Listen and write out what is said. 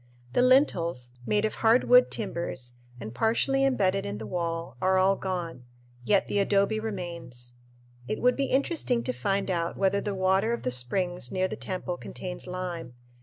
The lintels, made of hard wood timbers and partially embedded in the wall, are all gone; yet the adobe remains. It would be very interesting to find out whether the water of the springs near the temple contains lime.